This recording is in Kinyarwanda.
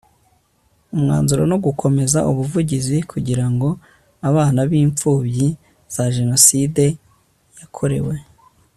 Umwanzuro No Gukomeza ubuvugizi kugira ngo abana b impfubyi za Jenoside yakorewe